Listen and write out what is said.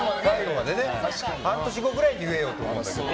半年後ぐらいに言えよって思うんだけどね。